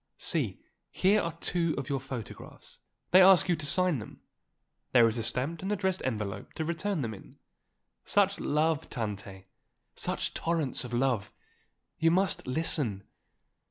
See, here are two of your photographs, they ask you to sign them. There is a stamped and addressed envelope to return them in. Such love, Tante! such torrents of love! You must listen."